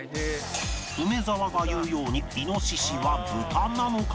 梅沢が言うように「猪」は豚なのか？